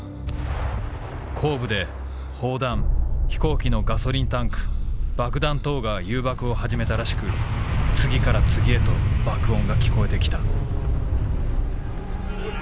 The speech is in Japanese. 後部で砲弾飛行機のガソリンタンク爆弾等が誘爆を始めたらしく次から次へと爆音が聞こえて来た」。